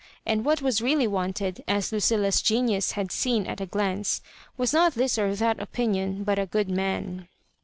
And what was really wanted, as Lucilla's genius had seen at a glance, was not this or that opinion but a good man.